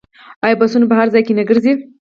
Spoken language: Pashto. آیا بسونه په هر ځای کې نه ګرځي؟